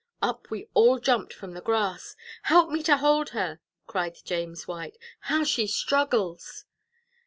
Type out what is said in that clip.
Up we all jumped from the grass. "Help me to hold her!" cried James White; "how she struggles!"